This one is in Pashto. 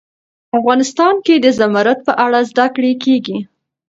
افغانستان کې د زمرد په اړه زده کړه کېږي.